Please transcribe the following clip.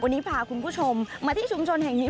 วันนี้พาคุณผู้ชมมาที่ชุมชนแห่งนี้